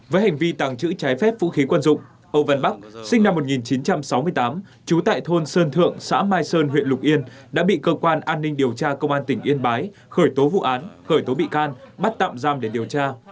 với hành vi tàng trữ trái phép vũ khí quân dụng âu văn bắc sinh năm một nghìn chín trăm sáu mươi tám trú tại thôn sơn thượng xã mai sơn huyện lục yên đã bị cơ quan an ninh điều tra công an tỉnh yên bái khởi tố vụ án khởi tố bị can bắt tạm giam để điều tra